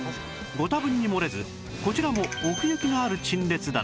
ご多分に漏れずこちらも奥行きのある陳列棚